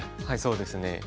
はいそうですね。